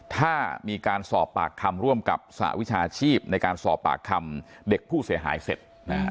ถ้ามีการสอบปากคำร่วมกับสหวิชาชีพในการสอบปากคำเด็กผู้เสียหายเสร็จ